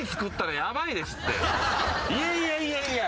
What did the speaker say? いやいやいやいや。